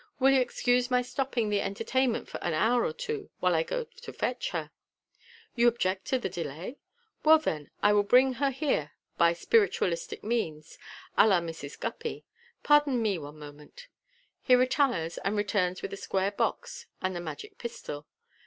Will you excuse my stopping the entertainment for an hour or two, while I go to fetch her ? You object to the delay ? Well, then, I will bring her here by spiritualistic means, a la Mrs. Guppy. Pardon me one moment." He retires, and returns with a square box and the magic pistol.